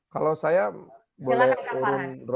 kalau saya boleh dong